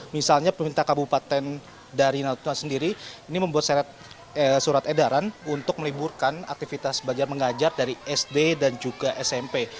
misalnya pemerintah kabupaten dari natuna sendiri ini membuat surat edaran untuk meliburkan aktivitas belajar mengajar dari sd dan juga smp